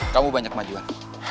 kamu banyak majuan